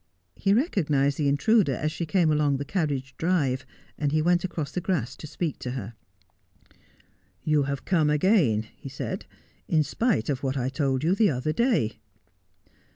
He recognised the intruder as she came along the carriage drive, and he went across the grass to speak to her ' You have come again,' he said, ' in spite of what I told you the other day.'